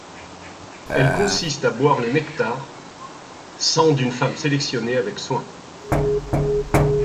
Elle consiste à boire le Nectar, sang d'une femme sélectionnée avec soin.